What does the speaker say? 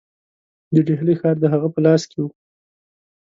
د ډهلي ښار د هغه په لاس کې وو.